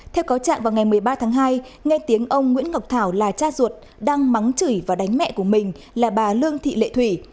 theo cáo trạng vào ngày một mươi ba tháng hai nghe tiếng ông nguyễn ngọc thảo là cha ruột đang mắng chửi và đánh mẹ của mình là bà lương thị lệ thủy